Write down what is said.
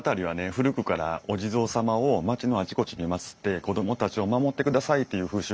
古くからお地蔵様を町のあちこちにまつって子供たちを守ってくださいっていう風習がある所なんですよ。